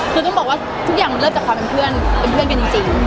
ต้องบอกว่าทุกอย่างเลิกจากความเป็นเพื่อนกันจริง